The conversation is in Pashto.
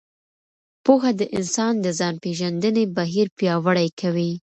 پوهه د انسان د ځان پېژندنې بهیر پیاوړی کوي.